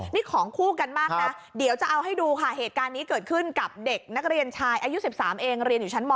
นี่ของคู่กันมากนะเดี๋ยวจะเอาให้ดูค่ะเหตุการณ์นี้เกิดขึ้นกับเด็กนักเรียนชายอายุ๑๓เองเรียนอยู่ชั้นม๔